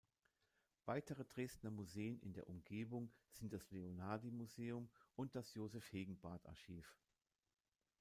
Weitere Dresdner Museen in der Umgebung sind das Leonhardi-Museum und das Josef-Hegenbarth-Archiv.